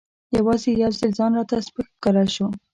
یوازې یو ځل ځان راته سپک ښکاره شو.